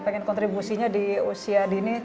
pengen kontribusinya di usia dini